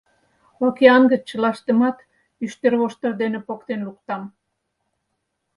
— Океан гыч чылаштымат ӱштервоштыр дене поктен луктам!